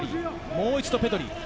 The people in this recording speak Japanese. もう一度、ペドリ。